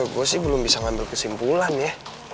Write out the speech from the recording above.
gue sih belum bisa ngambil kesimpulan ya